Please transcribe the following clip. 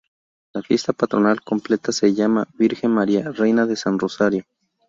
La fiesta patronal completa se llama Virgen María, Reina de San Rosario.